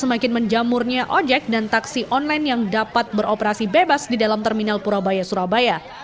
semakin menjamurnya ojek dan taksi online yang dapat beroperasi bebas di dalam terminal purabaya surabaya